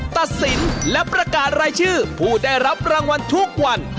ตัดสินและประกาศรายชื่อผู้ได้รับรางวัลทุกวัน